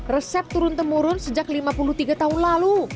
resep turun temurun sejak lima puluh tiga tahun lalu